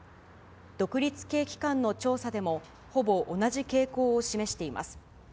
独立系機関の調査でも、ほぼ同じ傾向を示しています。